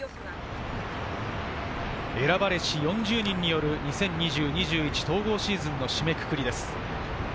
選ばれし４０人による２０２０−２０２１、統合シーズンの締めくくりです。